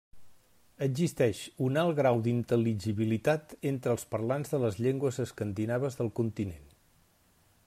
Existeix un alt grau d'intel·ligibilitat entre els parlants de les llengües escandinaves del continent.